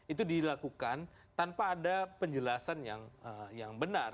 itu dilakukan tanpa ada penjelasan yang benar